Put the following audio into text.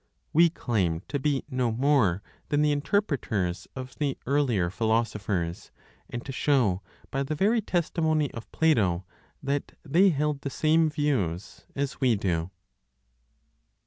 We claim to be no more than the interpreters of the earlier philosophers, and to show by the very testimony of Plato that they held the same views as we do.